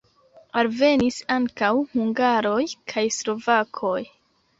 Alvenis ankaŭ hungaroj kaj slovakoj.